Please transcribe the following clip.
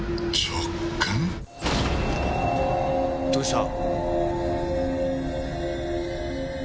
どうした？